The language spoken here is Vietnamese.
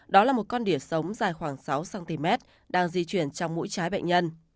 đó là một con đỉa sống dài khoảng sáu cm đang di chuyển trong mũi trái bệnh nhân